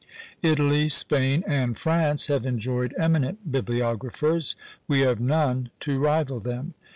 Italy, Spain, and France have enjoyed eminent bibliographers we have none to rival them.